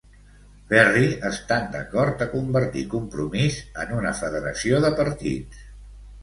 Ferri estan d'acord a convertir Compromís en una federació de partits.